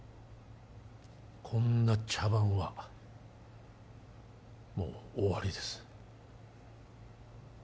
こんな茶番はもう終わりです